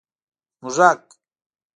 🐁 موږک